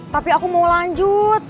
tapi aku mau lanjut